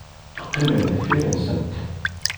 Teqqimem deffir-nsent.